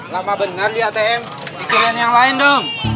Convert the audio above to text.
lama benar liat ktm pikirin yang lain dong